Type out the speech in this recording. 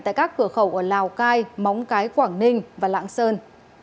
tại các cửa khẩu ở lào cai móng cái quảng ninh và lạng sơn